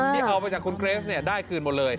เอาไปจากคุณเกรสเนี่ยได้คืนหมดเลย